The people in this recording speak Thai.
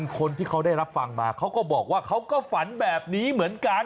คนที่เขาได้รับฟังมาเขาก็บอกว่าเขาก็ฝันแบบนี้เหมือนกัน